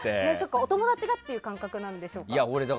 お友達っていう感覚なんでしょうか。